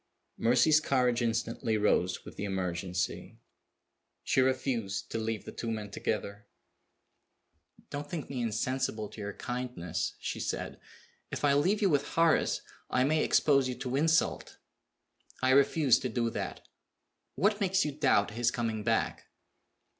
Mercy's courage instantly rose with the emergency. She refused to leave the two men together. "Don't think me insensible to your kindness," she said. "If I leave you with Horace I may expose you to insult. I refuse to do that. What makes you doubt his coming back?"